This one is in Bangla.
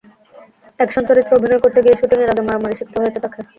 অ্যাকশন চরিত্রে অভিনয় করতে গিয়ে শুটিংয়ের আগে মারামারি শিখতে হয়েছে তাঁকে।